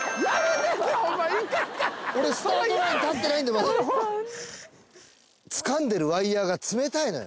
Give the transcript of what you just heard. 俺スタートライン立ってないんだからつかんでるワイヤが冷たいのよ